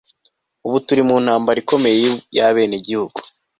Ubu turi mu ntambara ikomeye yabenegihugu